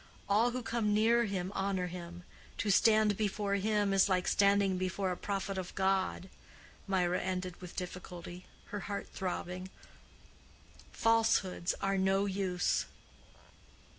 All who come near him honor him. To stand before him is like standing before a prophet of God"—Mirah ended with difficulty, her heart throbbing—"falsehoods are no use."